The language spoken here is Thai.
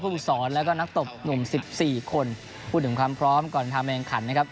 ผู้สอนและก็นักตบหนุ่ม๑๔คนพูดถึงความพร้อมก่อนทางแมงขันนะครับ